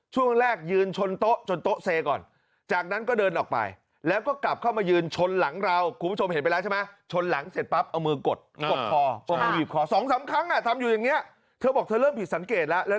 สองสามครั้งทำอยู่อย่างนี้เธอบอกเธอเริ่มผิดสังเกตแล้ว